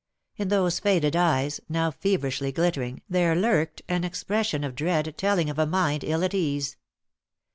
In those faded eyes, now feverishly glittering, there lurked and expression of dread telling of a mind ill at ease.